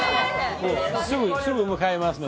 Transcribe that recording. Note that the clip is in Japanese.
すぐ向かいますので。